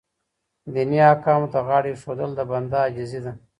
دیني احکامو ته غاړه ایښودل د بنده عاجزي ده.